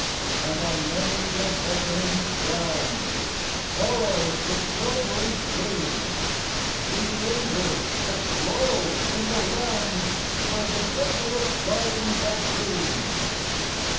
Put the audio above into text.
And on many a beckoning strand. Furrowed with silvery streams. We lingered, but lo, in the land Were the desolate gardens of dreams.